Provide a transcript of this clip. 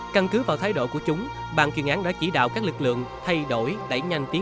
căn cứ của gia đình bị hại